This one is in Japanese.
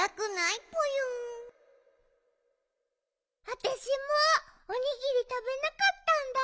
あたしもおにぎりたべなかったんだ。